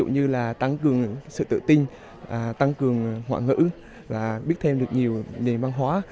như là tăng cường sự tự tin tăng cường ngoại ngữ và biết thêm được nhiều nền văn hóa